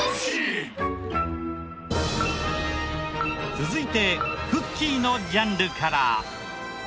続いてクッキーのジャンルから。